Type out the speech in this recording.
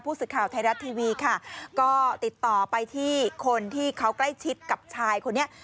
สื่อข่าวไทยรัฐทีวีค่ะก็ติดต่อไปที่คนที่เขาใกล้ชิดกับชายคนนี้